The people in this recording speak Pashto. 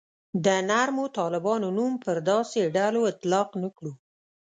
د نرمو طالبانو نوم پر داسې ډلو اطلاق نه کړو.